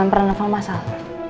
yang pernah nelfon mas al